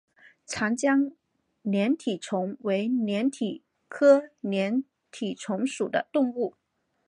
长江粘体虫为粘体科粘体虫属的动物。